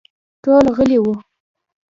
ټول غلي وو.